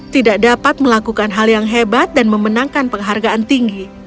tidak dapat melakukan hal yang hebat dan memenangkan penghargaan tinggi